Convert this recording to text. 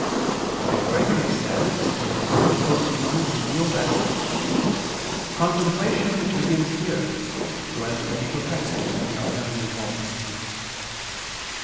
And Gregory says (Hom. xiv in Ezech.) that "contemplation begins here, so as to be perfected in our heavenly home."